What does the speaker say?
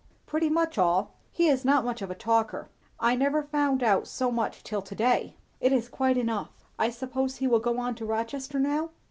"Pretty much all. He is not much of a talker. I never found out so much till to day." "It is quite enough. I suppose he will go on to Rochester now?"